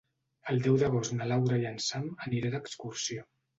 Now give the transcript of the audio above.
El deu d'agost na Laura i en Sam aniré d'excursió.